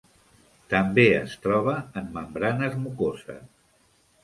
També es troba en membranes mucoses.